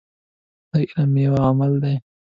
د علم ميوه عمل دی.